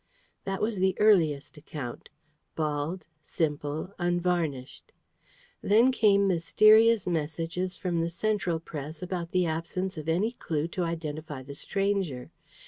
That was the earliest account bald, simple, unvarnished. Then came mysterious messages from the Central Press about the absence of any clue to identify the stranger.